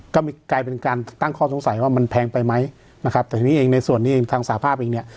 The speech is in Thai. ก็กลายเป็นการตั้งข้อสงสัยว่ามันแพงไปไหมนะครับแต่ทีนี้เองในส่วนนี้เองทางสาภาพเองเนี่ย